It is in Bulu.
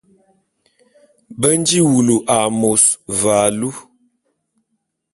Be nji wulu a môs ve alu.